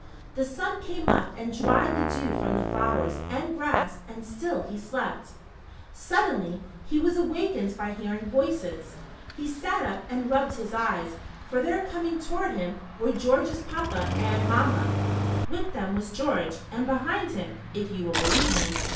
The sun came up and dried the dew from the flowers and grass, and still he slept ! Suddenly he was awakened by hearing voices. He sat up and rubbed his eyes, for there coming toward him, were George's papa and mamma, ^^'ith them was George, and behind him. if vou will believe me.